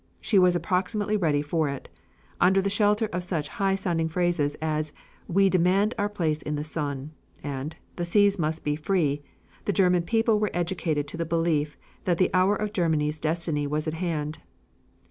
She was approximately ready for it. Under the shelter of such high sounding phrases as "We demand our place in the sun," and "The seas must be free," the German people were educated into the belief that the hour of Germany's destiny was at hand.